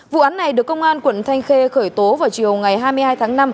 vụ án này được công an quận thanh khê khởi tố vào chiều ngày hai mươi hai tháng năm